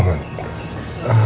aku melihat api